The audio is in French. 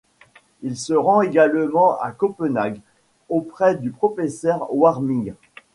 Il se rend également à Copenhague auprès du professeur Warming.